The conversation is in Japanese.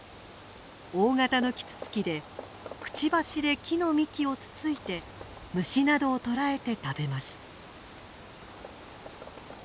大型のキツツキでくちばしで木の幹をつついて虫などを捕らえて食べます。